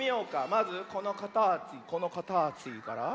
まずこのかたちこのかたちから。